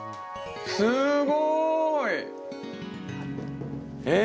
すごい！えっ？